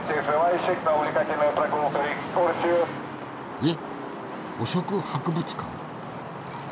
えっ汚職博物館？